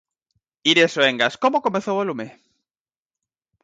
Iria Soengas, como comezou o lume?